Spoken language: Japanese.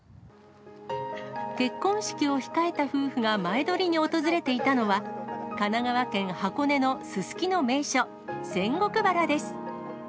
結婚式を控えた夫婦が前撮りに訪れていたのは、神奈川県箱根のすすきの名所、仙石原です。